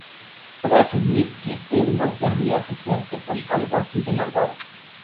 Puedo asumir que el no querría asociarse con algo así de malvado.